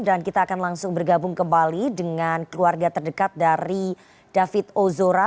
dan kita akan langsung bergabung kembali dengan keluarga terdekat dari david ozora